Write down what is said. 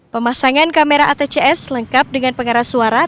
pemasangan kamera atcs lengkap dengan pengeras suara